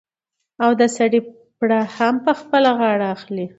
او د سړي پړه هم په خپله غاړه اخلي.